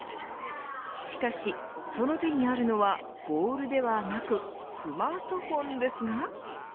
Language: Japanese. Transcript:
しかし、その手にあるのはボールではなくスマートフォンですが。